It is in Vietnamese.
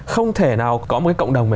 không thể nào có một cái cộng đồng